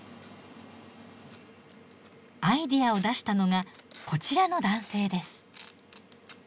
アイデアを出したのがこちらの男性です。